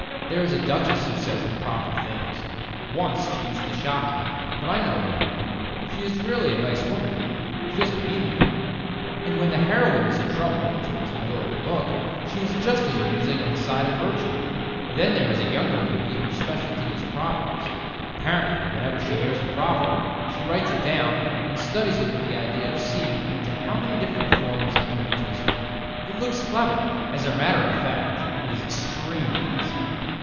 There is a Duchess who says improper things. Once she used to shock me. But I know her now. She is really a nice woman; she doesn't mean them. And when the heroine is in trouble, towards the middle of the book, she is just as amusing on the side of virtue. Then there is a younger lady whose speciality is proverbs. Apparently whenever she hears a proverb she writes it down and studies it with the idea of seeing into how many different forms it can be twisted. It looks clever; as a matter of fact, it is extremely easy.